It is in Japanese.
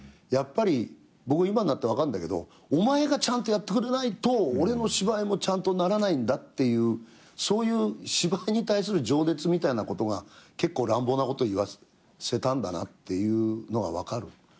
やっぱり僕今になって分かるんだけどお前がちゃんとやってくれないと俺の芝居もちゃんとならないんだっていうそういう芝居に対する情熱みたいなことが結構乱暴なこと言わせたんだなっていうのは分かる。